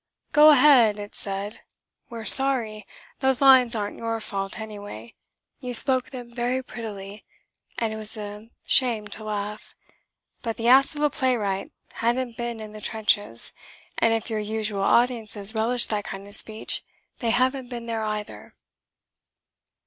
"Go ahead!" it said. "We're sorry. Those lines aren't your fault, anyway. You spoke them very prettily, and it was a shame to laugh. But the ass of a playwright hadn't been in the trenches, and if your usual audiences relish that kind of speech they haven't been there either."